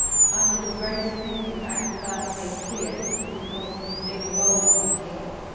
After this very significant act the guard's face cleared, and he deposited his big revolver on the table.